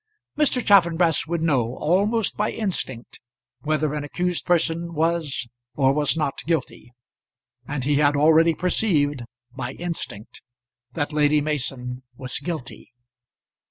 Mr. Chaffanbrass would know, almost by instinct, whether an accused person was or was not guilty; and he had already perceived, by instinct, that Lady Mason was guilty.